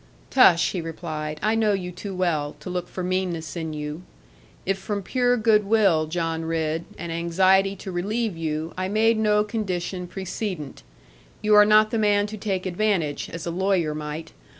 'Tush!' he replied: 'I know you too well, to look for meanness in you. If from pure goodwill, John Ridd, and anxiety to relieve you, I made no condition precedent, you are not the man to take advantage, as a lawyer might.